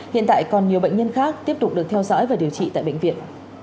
hiện tại còn nhiều bệnh nhân khác tiếp tục được theo dõi và điều trị tại bệnh viện